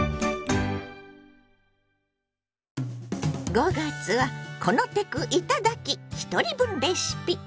５月は「このテクいただき！ひとり分レシピ」。